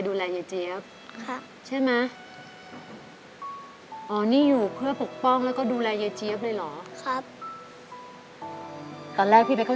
อื้อฮะห้องมีกี่คน